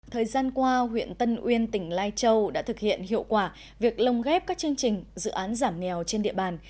thời gian qua huyện tân uyên tỉnh lai châu đã thực hiện hiệu quả việc lồng ghép các chương trình dự án giảm nghèo trên địa bàn